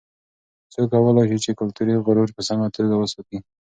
څوک کولای سي چې کلتوري غرور په سمه توګه وساتي؟